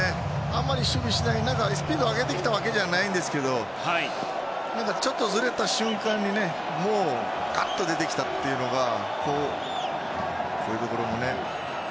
あんまり守備しない中でスピードを上げてきたわけじゃないんですけどちょっとずれた瞬間にガッと出てきたというのがこういうところでね。